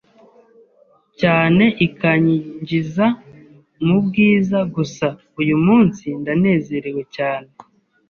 cyane ikanyinjiza mu bwiza gusa, uyu munsi ndanezerewe cyane